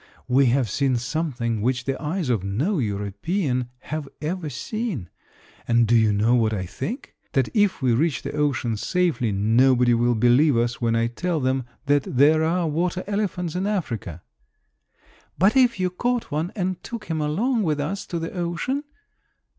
We have seen something which the eyes of no European have ever seen. And do you know what I think? that if we reach the ocean safely nobody will believe us when I tell them that there are water elephants in Africa." "But if you caught one and took him along with us to the ocean?"